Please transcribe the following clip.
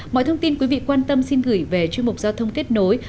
mọi thông tin quý vị quan tâm xin gửi về chuyên mục giao thông kết nối